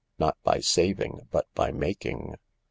Not by saving, but by making.